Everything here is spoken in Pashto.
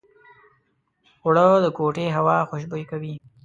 اوړه د کوټې هوا خوشبویه کوي